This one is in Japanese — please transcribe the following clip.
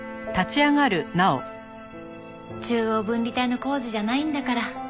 中央分離帯の工事じゃないんだから。